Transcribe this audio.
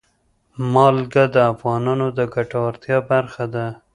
نمک د افغانانو د ګټورتیا برخه ده.